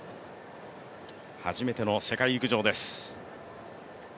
初めての世界陸上です。